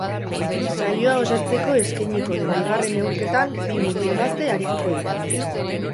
Saioa osatzeko eskainiko den bigarren neurketan, bi mutil gazte arituko dira.